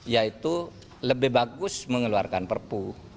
yaitu lebih bagus mengeluarkan perpu